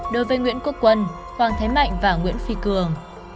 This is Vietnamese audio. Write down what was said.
đối với nguyễn quốc quân hoàng thế mạnh và nguyễn phi cường